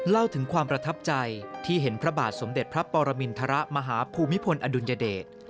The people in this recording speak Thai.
เล่าถึงความประทับใจที่เห็นพระบาทสมเด็จพระปรมินทรมาฮภูมิพลอดุลยเดช